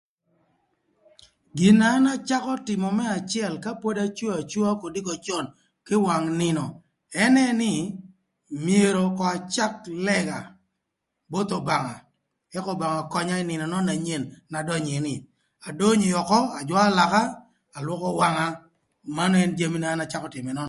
Gin na an acakö tïmö më acël ka pod aco acoa kodiko cön kï wang nïnö ënë nï myero ko acak lëga both Obanga ëk Obanga ökönya ï nïnö nön na nyen n'adonyo ïë ni, adonyo yökö ajwaö laka, alwökö wanga manu ënë jami na an acakö tïmö ënön.